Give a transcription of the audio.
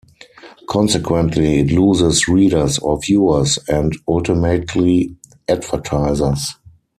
Consequently, it loses readers or viewers, and ultimately, advertisers.